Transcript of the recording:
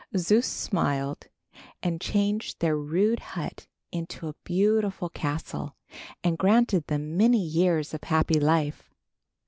Zeus smiled and changed their rude hut into a beautiful castle, and granted them many years of happy life.